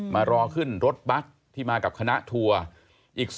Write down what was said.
มารอขึ้นรถบัสที่มากับคณะทัวร์อีก